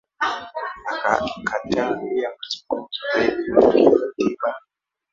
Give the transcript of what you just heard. Akakataa pia mazungumzo zaidi ya kikatiba